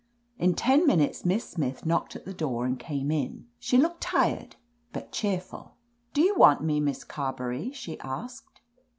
In ten minutes Miss Smith knocked at the door and came in. She looked tired, but cheerful. "Do you want me. Miss Carberry?" she asked.